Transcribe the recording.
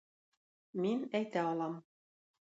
Мин әйтә алам